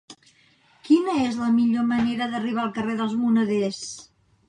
Quina és la millor manera d'arribar al carrer dels Moneders?